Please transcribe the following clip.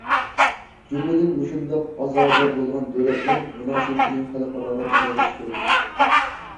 جۈملىدىن، مۇشۇنداق« ئازادە» بولغان دۆلەتلەر مۇناسىۋىتىنى خەلقئاراغا كېڭەيتىش كېرەك.